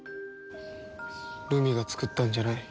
ルミが作ったんじゃない。